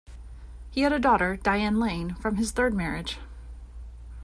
He had a daughter, Diane Lane, from his third marriage.